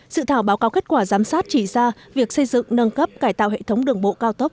sự thảo báo cáo kết quả giám sát chỉ ra việc xây dựng nâng cấp cải tạo hệ thống đường bộ cao tốc